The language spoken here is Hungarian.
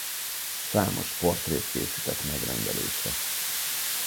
Számos portrét készített megrendelésre.